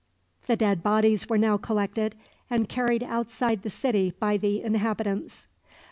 The dead bodies were now collected, and carried outside the city by the inhabitants.